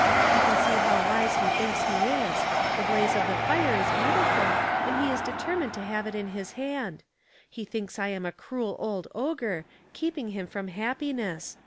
You can see how wise he thinks he is ; the blaze of the fire is beautiful, and he is determined to have it in his hand. He thinks I am a cruel old ogre, keeping him from happiness.